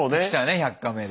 １００カメで。